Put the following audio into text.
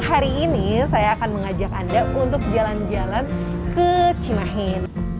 hari ini saya akan mengajak anda untuk jalan jalan ke cimahin